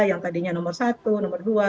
yang tadinya nomor satu nomor dua